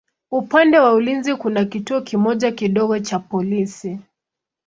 Upande wa ulinzi kuna kituo kimoja kidogo cha polisi.